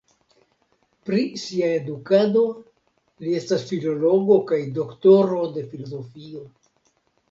Pri sia edukado li estas filologo kaj doktoro de filozofio.